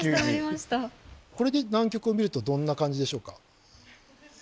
これで南極を見るとどんな感じでしょうか？